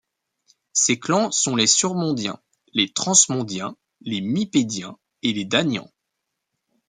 Ces clans sont les surmondiens, les transmondiens, les Mipédians et les Danians.